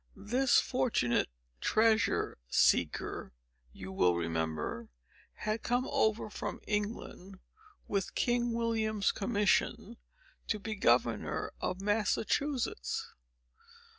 This fortunate treasure seeker, you will remember, had come over from England, with King William's commission to be Governor of Massachusetts.